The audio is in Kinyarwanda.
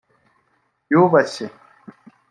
yubashye